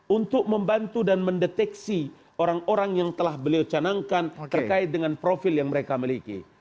untuk membantu dan mendeteksi orang orang yang telah beliau canangkan terkait dengan profil yang mereka miliki